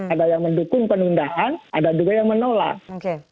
ada yang mendukung penundaan ada juga yang menolak